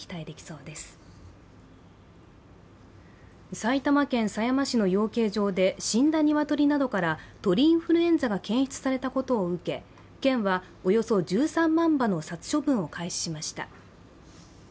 埼玉県狭山市の養鶏場で死んだ鶏などから鳥インフルエンザが検出されたことを受け県はおよそ１３万羽の殺処分を開始しました。